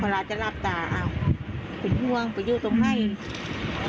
เวลาจะหลับตาอ้าวเป็นห่วงไปอยู่ตรงไหน